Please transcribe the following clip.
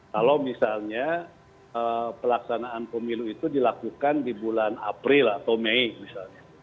kalau misalnya pelaksanaan pemilu itu dilakukan di bulan april atau mei misalnya